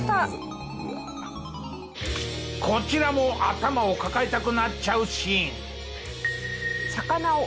こちらも頭を抱えたくなっちゃうシーン。